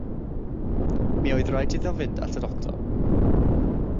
Mi oedd rhaid iddi fynd at y doctor.